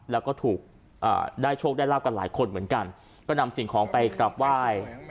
แล้วก็ถูกได้โชคได้ลาบกันหลายคนเหมือนกันก็นำสิ่งของไปกลับไหว้